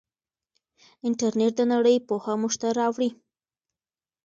انټرنیټ د نړۍ پوهه موږ ته راوړي.